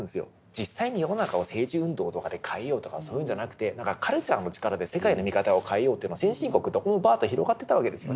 実際に世の中を政治運動とかで変えようとかそういうんじゃなくて何かカルチャーの力で世界の見方を変えようというのは先進国どこもバーッと広がってたわけですよね。